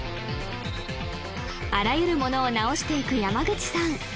あらゆるものを直していく山口さん